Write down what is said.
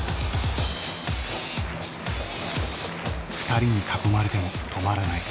２人に囲まれても止まらない。